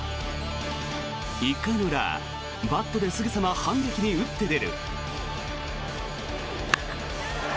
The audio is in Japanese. １回の裏、バットですぐさま反撃に打って出る。